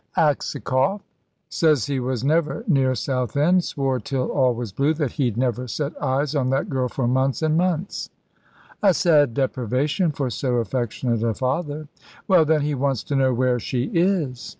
"Aksakoff! Says he was never near Southend. Swore till all was blue that he'd never set eyes on that girl for months an' months." "A sad deprivation for so affectionate a father." "Well, then, he wants to know where she is."